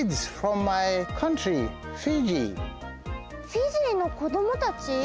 フィジーの子どもたち？